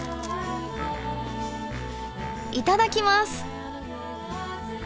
いただきます。